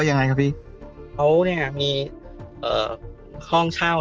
สุดท้ายก็ไม่มีทางเลือกที่ไม่มีทางเลือก